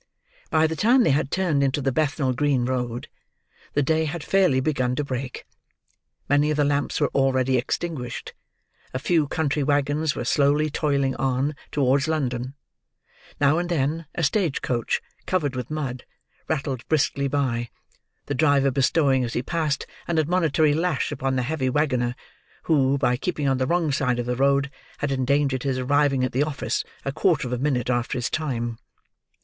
By the time they had turned into the Bethnal Green Road, the day had fairly begun to break. Many of the lamps were already extinguished; a few country waggons were slowly toiling on, towards London; now and then, a stage coach, covered with mud, rattled briskly by: the driver bestowing, as he passed, an admonitory lash upon the heavy waggoner who, by keeping on the wrong side of the road, had endangered his arriving at the office, a quarter of a minute after his time.